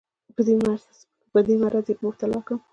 په دې مرض یې مبتلا کړم.